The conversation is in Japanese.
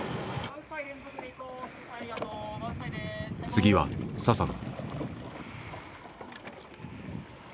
次は佐々野。